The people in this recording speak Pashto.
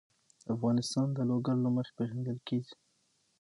افغانستان د لوگر له مخې پېژندل کېږي.